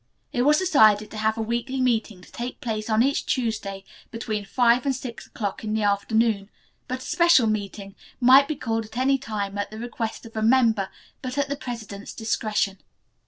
It was decided to have a weekly meeting to take place on each Tuesday between five and six o'clock in the afternoon, but a special meeting might be called at any time at the request of a member, but at the president's discretion.